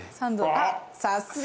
あっさすが。